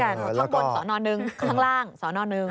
ทั้งบนสนหนึ่งทั้งล่างสนหนึ่ง